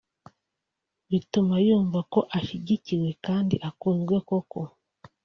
bituma yumva ko ashyigikiwe kandi akunzwe koko